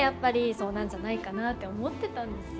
そうなんじゃないかなって思ってたんですよ。